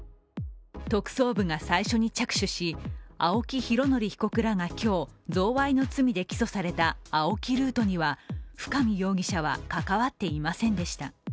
特捜部が最初に着手し青木拡憲被告らが今日、贈賄の罪で起訴されたＡＯＫＩルートには深見容疑者は関わっていませんでした。